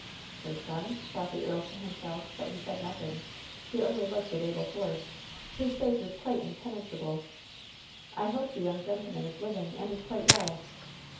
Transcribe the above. " ^Her son V " thought the earl to himself ; but he said jiothing; he only looked at Abel Force, whose face was quite impenetrable. "I hope the young gentleman is living and is quite well."